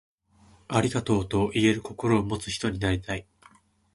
ありがとう、と言える心を持つ人になりたい。